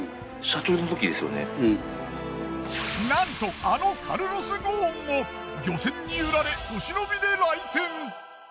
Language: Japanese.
なんとあのカルロス・ゴーンも漁船に揺られお忍びで来店。